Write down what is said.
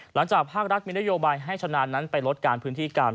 หลังจากภาครัฐมีนโยบายให้ชำนาญนั้นไปลดการพื้นที่กัน